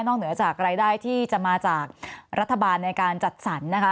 เหนือจากรายได้ที่จะมาจากรัฐบาลในการจัดสรรนะคะ